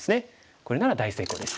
これなら大成功です。